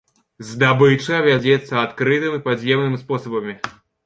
Здабыча вядзецца адкрытым і падземным спосабамі.